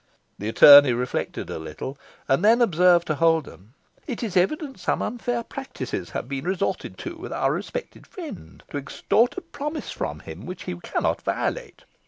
The attorney reflected a little, and then observed to Holden, "It is evident some unfair practices have been resorted to with our respected friend, to extort a promise from him which he cannot violate.